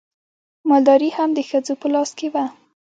مالداري هم د ښځو په لاس کې وه.